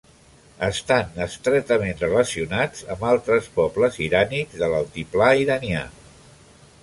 Estan estretament relacionats amb altres pobles irànics de l'altiplà iranià.